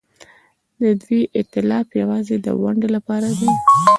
د دوی ائتلاف یوازې د ونډې لپاره دی.